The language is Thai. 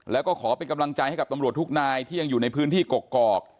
แล้วก็ขอเป็นกำลังใจให้กับตำรวจทุกนายที่ยังอยู่ในพื้นที่กกอก